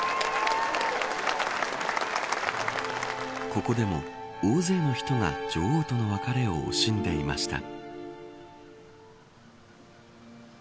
ここでも、大勢の人が女王との別れを惜しんでいました。